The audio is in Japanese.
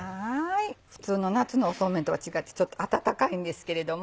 普通の夏のそうめんとは違ってちょっと温かいんですけれども。